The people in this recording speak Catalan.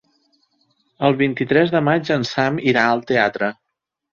El vint-i-tres de maig en Sam irà al teatre.